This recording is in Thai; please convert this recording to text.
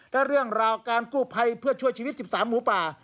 และเรื่องราวการกู้ภัยเพื่อช่วยชีวิต๑๓หมูป่า